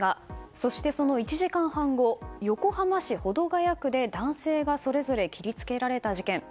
そして、その１時間半後横浜市保土ケ谷区で男性がそれぞれ切りつけられた事件。